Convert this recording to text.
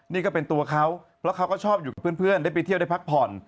นี่ก็เป็นตัวเขาเพราะเขาก็ชอบอยู่กับเพื่อนได้ไปเที่ยวได้พักผ่อน